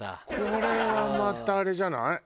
これはまたあれじゃない？